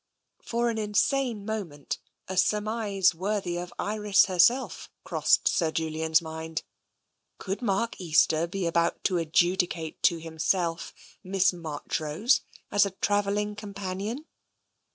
For an insane moment, a surmise worthy of Iris herself crossed Sir Julian's mind. Could Mark Easter be about to adjudicate to himself Miss Marchrose as a travelling companion?